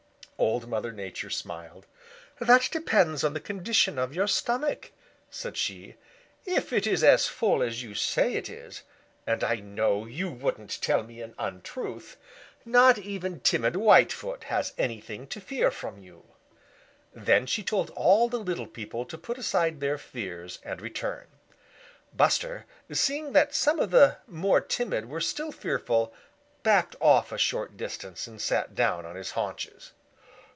Old Mother Nature smiled. "That depends on the condition of your stomach," said she. "If it is as full as you say it is, and I know you wouldn't tell me an untruth, not even timid Whitefoot has anything to fear from you." Then she told all the little people to put aside their fears and return. Buster, seeing that some of the more timid were still fearful, backed off a short distance and sat down on his haunches.